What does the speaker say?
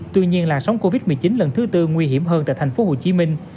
tuy nhiên làn sóng covid một mươi chín lần thứ tư nguy hiểm hơn tại thành phố hồ chí minh